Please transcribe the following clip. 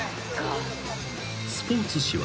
［スポーツ紙は］